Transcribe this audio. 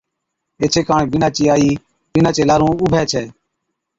ايڇي ڪاڻ بِينڏا چِي آئِي بِينڏا چي لارُون اُڀي ڇَي